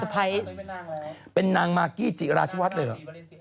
ก็เป็นนางแบบใช่ไหม